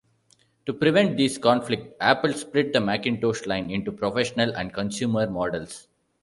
To prevent these conflicts, Apple split the Macintosh line into professional and consumer models.